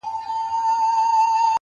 نه محفل كي ګناهونه ياغي كېږي؛